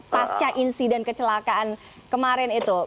pasca insiden kecelakaan kemarin itu